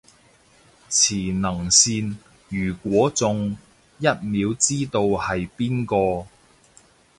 磁能線，如果中，一秒知道係邊個